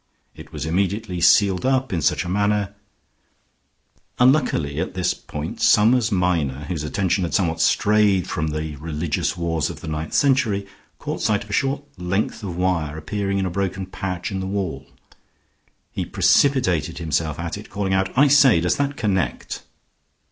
It was immediately sealed up in such a manner " Unluckily at this point Summers Minor, whose attention had somewhat strayed from the religious wars of the ninth century, caught sight of a short length of wire appearing in a broken patch in the wall. He precipitated himself at it, calling out, "I say, does that connect?"